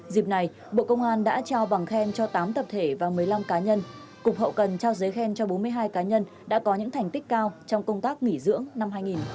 dịp này bộ công an đã trao bằng khen cho tám tập thể và một mươi năm cá nhân cục hậu cần trao giấy khen cho bốn mươi hai cá nhân đã có những thành tích cao trong công tác nghỉ dưỡng năm hai nghìn hai mươi